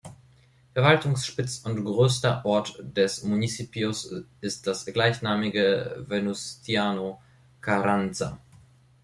Verwaltungssitz und größter Ort des Municipios ist das gleichnamige Venustiano Carranza.